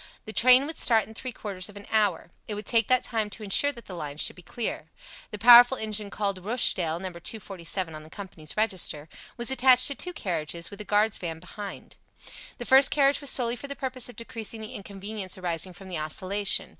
The train would start in three quarters of an hour. It would take that time to insure that the line should be clear. The powerful engine called Rochdale (No. 247 on the company's register) was attached to two carriages, with a guard's van behind. The first carriage was solely for the purpose of decreasing the inconvenience arising from the oscillation.